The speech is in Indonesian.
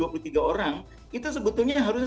ke dua puluh tiga orang itu sebetulnya harusnya